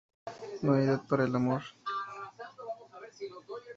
No hay edad para el amor